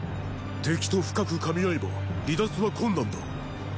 敵と深くかみ合えば離脱は困難だ。